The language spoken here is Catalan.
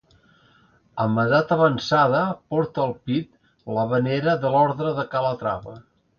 Amb edat avançada porta al pit la venera de l'orde de Calatrava.